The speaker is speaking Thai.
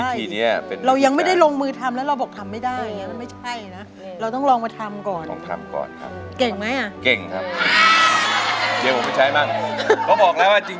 ฉันเก่งมากเลยอู๋เก่ง